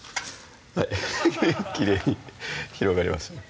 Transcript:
きれいに広がりましたね